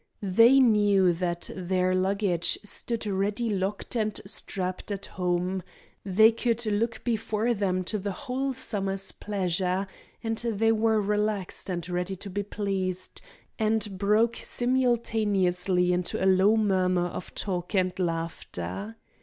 They knew that their luggage stood ready locked and strapped at home; they could look before them to the whole summer's pleasure, and they were relaxed and ready to be pleased, and broke simultaneously into a low murmur of talk and laughter.